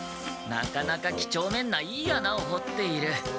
なかなかきちょうめんないい穴を掘っている。